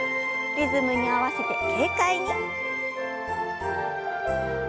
リズムに合わせて軽快に。